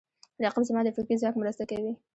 رقیب زما د فکري ځواک مرسته کوي